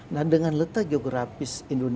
nah dengan letak geografis